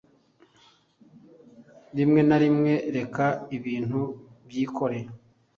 Rimwe na rimwe reka ibintu byikore